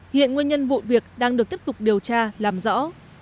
hiện nguyên nhân vụ việc đang được tiếp tục điều tra làm rõ